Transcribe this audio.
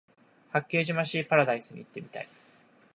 八景島シーパラダイスに行ってみたい